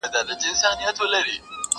o خپل به دي وژړوي، غليم به دي وخندوي٫